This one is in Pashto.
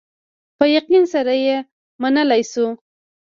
په یقین سره یې منلای شو.